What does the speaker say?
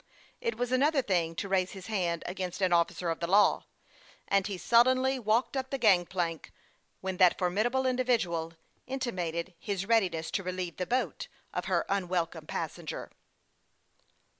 It was an other thing to raise his hand against an officer of the law, and he sullenly walked up the gang plank when that formidable individual intimated his read iness to relieve the boat of her unwelcome passenger.